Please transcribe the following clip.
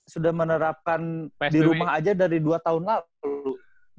sudah menerapkan di rumah aja dari dua tahun lalu